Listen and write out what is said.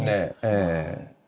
ええ。